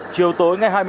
chương trình cháy nổ